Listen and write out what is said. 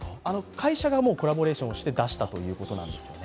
会社がコラボレーションして出したということなんです。